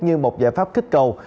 như một giải pháp kích cầu